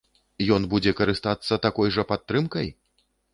Ён будзе карыстацца такой жа падтрымкай?